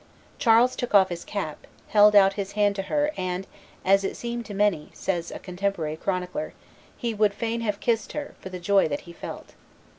Charles took off his cap, held out his hand to her, and, "as it seemed to many," says a contemporary chronicler, "he would fain have kissed her, for the joy that he felt."